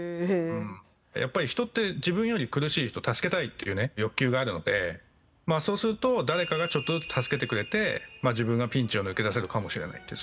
やっぱり人って自分より苦しい人助けたいっていうね欲求があるのでそうすると誰かがちょっとずつ助けてくれて自分がピンチを抜け出せるかもしれないという。